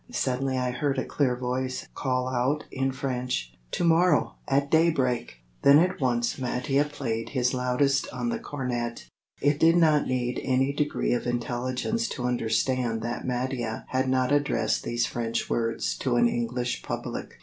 Suddenly I heard a clear voice call out in French, "To morrow at daybreak!" Then at once Mattia played his loudest on the cornet. It did not need any degree of intelligence to understand that Mattia had not addressed these French words to an English public.